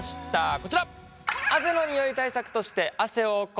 こちら！